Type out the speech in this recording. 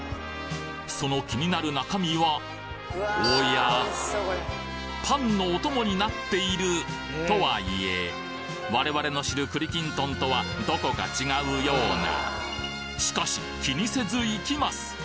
その気になる中身はおやパンのお供になっているとはいえ我々の知る栗きんとんとはどこか違うようなしかし気にせずいきます！